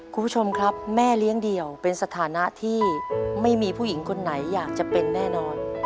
คุณผู้ชมครับแม่เลี้ยงเดี่ยวเป็นสถานะที่ไม่มีผู้หญิงคนไหนอยากจะเป็นแน่นอน